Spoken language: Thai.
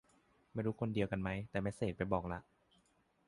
ไม่รู้คนเดียวกันไหม แต่เมสเสจไปบอกละ